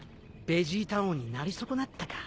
ベジータ王になり損なったか。